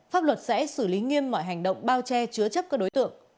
pháp luật sẽ xử lý nghiêm mọi hành động bao che chứa chấp các đối tượng